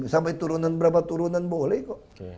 sampai turunan berapa turunan boleh kok